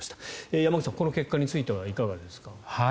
山口さん、この結果についてはいかがですか？